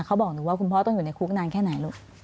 เขาบอกหนูว่าคุณพ่อต้องอยู่ในคุกนานแค่ไหนลูก